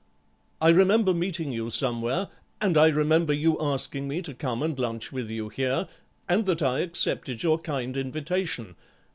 I remember meeting you somewhere, and I remember you asking me to come and lunch with you here, and that I accepted your kind invitation.